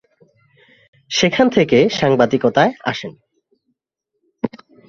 সেখান থেকে সাংবাদিকতায় আসেন।